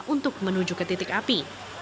untuk menuju ke titik api